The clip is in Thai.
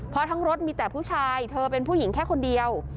เพราะทั้งรถมีแต่ผู้ชายเธอเป็นผู้หญิงแค่คนเดียว